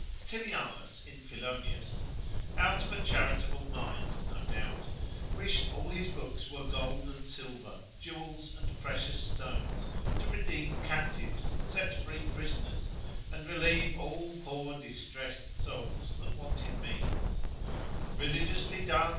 Tilianus in Philonius, out of a charitable mind no doubt, wished all his books were gold and silver, jewels and precious stones, to redeem captives, set free prisoners, and relieve all poor distressed souls that wanted means; religiously done.